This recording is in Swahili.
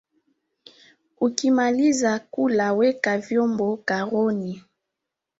Ukimaliza kula weka vyombo karoni